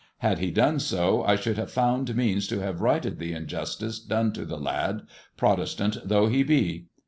Had he done so, I should have found means to have righted the injustice done to the lad, Protestant though he be."